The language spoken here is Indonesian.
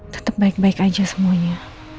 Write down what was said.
tetap baik baik aja semuanya